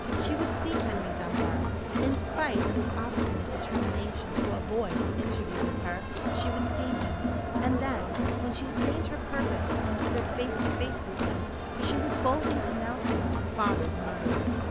She would see Henry Dunbar. In spite of his obstinate determination to avoid an interview with her, she would see him: and then, when she had gained her purpose, and stood face to face with him, she would boldly denounce him as her father's murderer.